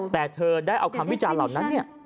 แต่เธอได้เอาคำวิจารณเหล่านั้นเนี่ย